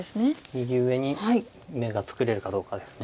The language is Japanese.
右上に眼が作れるかどうかです。